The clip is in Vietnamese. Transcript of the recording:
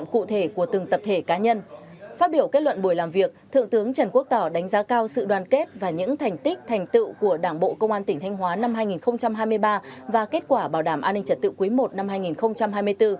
ích thành tựu của đảng bộ công an tỉnh thanh hóa năm hai nghìn hai mươi ba và kết quả bảo đảm an ninh trật tự cuối một năm hai nghìn hai mươi bốn